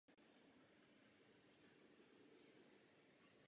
Byl uznávaným znalcem dramatické tvorby jihoslovanských národů.